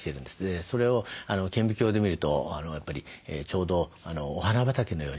それを顕微鏡で見るとやっぱりちょうどお花畑のように見える。